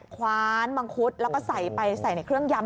คว้านมังคุดแล้วก็ใส่ไปใส่ในเครื่องยำ